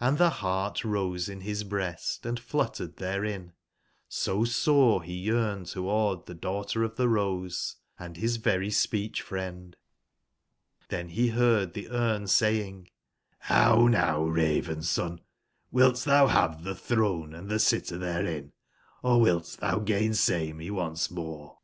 Hnd the heart rose in his breast and fluttered therein, so sore he yearned toward the Daughter of the Rose, and his very speech/friend. Xlbcn he heard the Sme saying, ''How now. Raven/son, wilt thou have the throne and the sitter therein, or wilt thou gainsay me once more?''